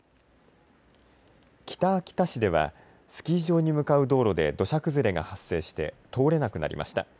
北秋田市ではスキー場に向かう道路で土砂崩れが発生して通れなくなりました。